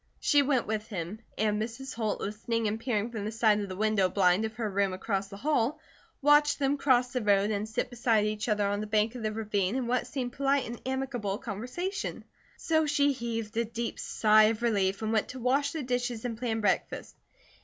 She went with him; and Mrs. Holt, listening and peering from the side of the window blind of her room across the hall, watched them cross the road and sit beside each other on the bank of the ravine in what seemed polite and amicable conversation. So she heaved a deep sigh of relief and went to wash the dishes and plan breakfast.